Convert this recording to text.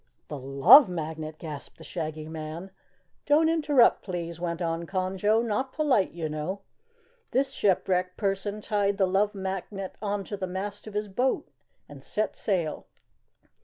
"The Love Magnet," gasped the Shaggy Man. "Don't interrupt, please," went on Conjo. "Not polite, you know. This shipwrecked person tied the Love Magnet onto the mast of his boat and set sail.